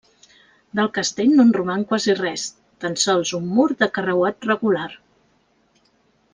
Del castell no en roman quasi res, tan sols un mur de carreuat regular.